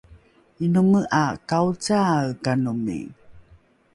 inome ’a kaocaaekanomi?